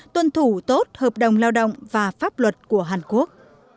tuân thủ tốt hợp đồng lao động và pháp luật của hàn quốc